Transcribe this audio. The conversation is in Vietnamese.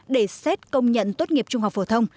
để xét công nhận tốt nghiệp trung học phổ thông